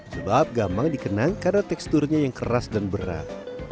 sebab gamang dikenang karena teksturnya yang keras dan berat